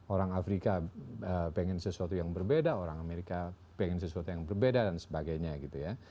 orang afrika pengen sesuatu yang berbeda orang amerika pengen sesuatu yang berbeda dan sebagainya gitu ya